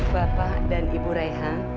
bapak dan ibu raiha